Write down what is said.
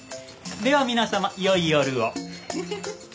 では皆様良い夜を。